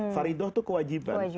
faridot itu kewajiban